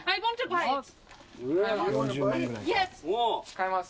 買います。